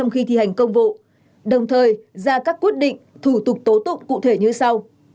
khi thi hành công vụ đồng thời ra các quyết định thủ tục tố tụng cụ thể như sau